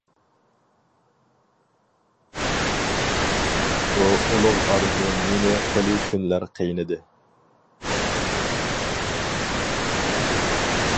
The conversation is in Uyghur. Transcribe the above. بۇ ئۇلۇغ ئارزۇ مېنى خېلى كۈنلەر قىينىدى.